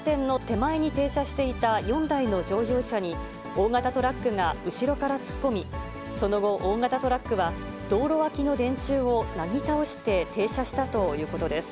交差点の手前に停車していた４台の乗用車に大型トラックが後ろから突っ込み、その後、大型トラックは、道路脇の電柱をなぎ倒して停車したということです。